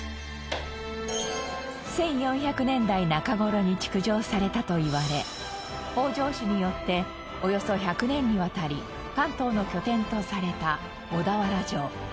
１４００年代中頃に築城されたといわれ北条氏によっておよそ１００年にわたり関東の拠点とされた小田原城。